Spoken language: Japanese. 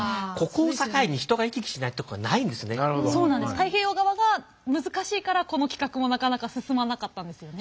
太平洋側が難しいからこの企画もなかなか進まなかったんですよね。